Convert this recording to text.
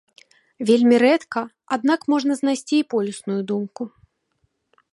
Вельмі рэдка, аднак можна знайсці і полюсную думку.